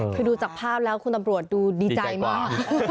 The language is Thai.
คือดูจากภาพแล้วคุณตำรวจดูดีใจมาก